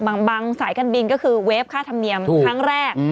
สายการบินก็คือเวฟค่าธรรมเนียมครั้งแรก